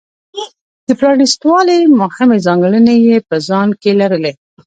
د پرانېست والي مهمې ځانګړنې یې په ځان کې لرلې.